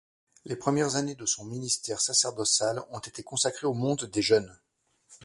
Les premières années de son ministère sacerdotal ont été consacrées au monde des jeunes.